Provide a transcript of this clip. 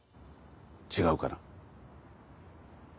違うかな？